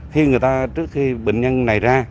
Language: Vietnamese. khi người ta trước khi bệnh nhân này ra